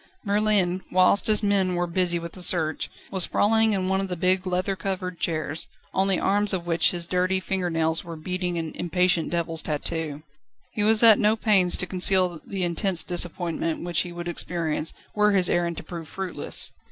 Merlin, whilst his men were busy with the search, was sprawling in one of the big leather covered chairs, on the arms of which his dirty finger nails were beating an impatient devil's tattoo. He was at no pains to conceal the intense disappointment which he would experience, were his errand to prove fruitless.